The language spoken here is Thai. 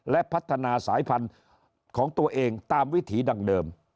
และพัฒนาสายพันธุ์ของตัวเองตามวิถีดังเดิม